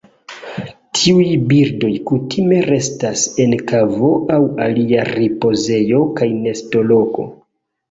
Tiuj birdoj kutime restas en kavo aŭ alia ripozejo kaj nestoloko.